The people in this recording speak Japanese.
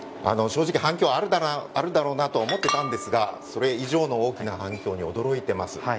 正直、反響はあるだろうなとは思っていたんですがそれ以上の大きな反響に驚いています。